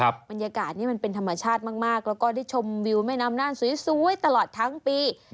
บรรยากาศนี้มันเป็นธรรมชาติมากแล้วก็ได้ชมวิวแม่น้ำน่านสวยตลอดทั้งปี